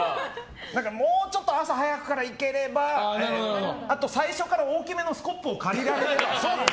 もうちょっと朝早くから行ければあと最初から大きめのスコップを借りられれば。